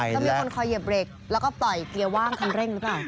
ต้องมีคนคอยหยิบเร็กแล้วก็ต่อยเกลียวว่างคันเร่งหรือเปล่า